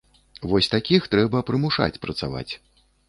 Вось такіх трэба прымушаць працаваць.